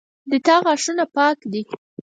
د تا غاښونه پاک دي